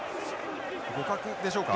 互角でしょうか？